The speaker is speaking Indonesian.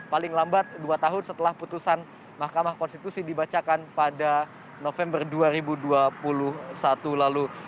paling lambat dua tahun setelah putusan mahkamah konstitusi dibacakan pada november dua ribu dua puluh satu lalu